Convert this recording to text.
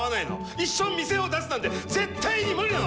一緒に店を出すなんて絶対に無理なの！